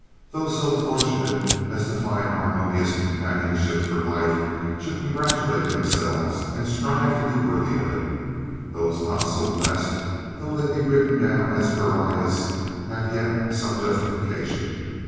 Those so fortunate as to find harmonious companionship for life should congratulate themselves and strive to be worthy of it. Those not so blessed, though they be written down as pariahs, have yet some justification.